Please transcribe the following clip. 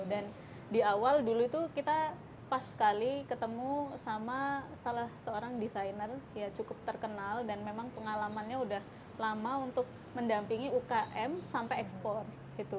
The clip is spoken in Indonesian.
dan di awal dulu itu kita pas sekali ketemu sama salah seorang desainer ya cukup terkenal dan memang pengalamannya udah lama untuk mendampingi ukm sampai ekspor gitu